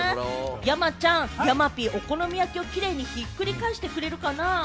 山ちゃん、山Ｐはお好み焼きをキレイにひっくり返してくれるかな？